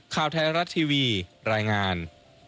ข่าวไทยรัฐทีวีรายงาน